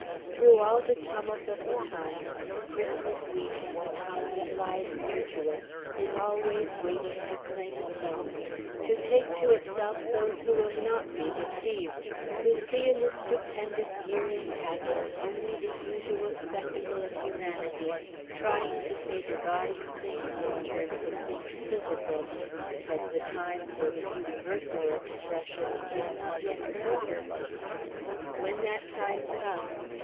Through all the tumult of the time, Christmas Week and the time that lies near to it is always waiting to claim its own, to take to itself those who will not be deceived, who see in the stupendous yearly pageant only the usual spectacle of humanity trying to say divine things in terms of things physical, because the time for the universal expression is not yet come. When that time comes